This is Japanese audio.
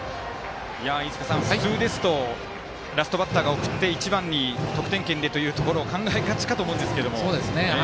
飯塚さん、普通ですとラストバッターが送って１番に得点圏でというところを考えがちかと思いますが。